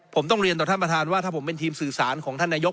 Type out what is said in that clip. ผมต้องเรียนต่อท่านประธานว่าถ้าผมเป็นทีมสื่อสารของท่านนายก